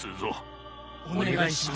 お願いします。